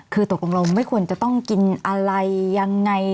คือตกลงเราไม่ควรจะต้องกินอะไรยังไง